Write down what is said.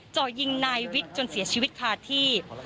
จ่อยิงนายวิทย์จนเสียชีวิตคาที่